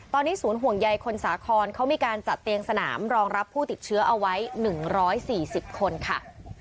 ตอนนี้ศูนย์ห่วงใยคนสาครเขามีการจัดเตียงสนามรองรับผู้ติดเชื้อเอาไว้๑๔๐คนค่ะ